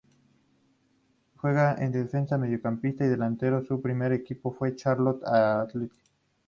Juega de defensa, mediocampista y delantero. Su primer equipo fue Charlton Athletic.